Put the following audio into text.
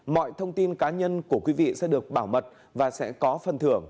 mọi thông tin cá nhân của quý vị sẽ được bảo mật và sẽ có phần thưởng